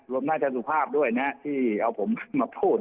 รวมน้อยทุยสุภาพด้วยนะที่เอาผมมาพูด